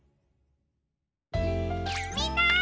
みんな！